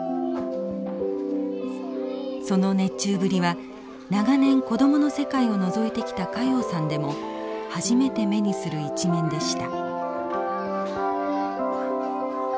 その熱中ぶりは長年子供の世界をのぞいてきた加用さんでも初めて目にする一面でした。